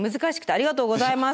ありがとうございます。